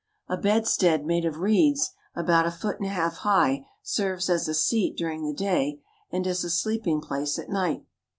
A bedstead made of reeds about a foot and a half high serves as a seat during the day and as a sleeping place at night.